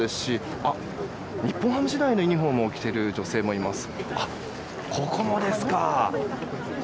日本ハム時代のユニホームを着ている女性もいます。